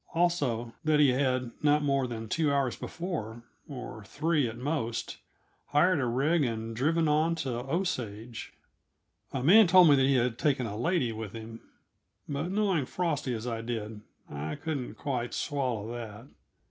Also that he had, not more than two hours before or three, at most hired a rig and driven on to Osage. A man told me that he had taken a lady with him; but, knowing Frosty as I did, I couldn't quite swallow that.